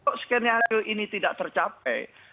kok skenario ini tidak tercapai